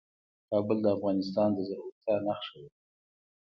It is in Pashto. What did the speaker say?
کابل د افغانستان د زرغونتیا نښه ده.